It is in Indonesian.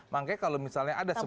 makanya kalau misalnya ada